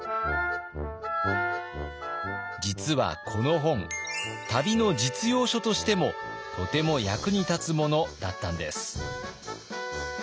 実はこの本旅の実用書としてもとても役に立つものだったんです。